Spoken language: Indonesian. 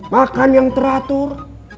makan yang teratur